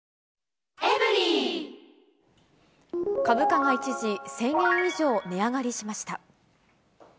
株価が一時、１０００円以上値上がりしました。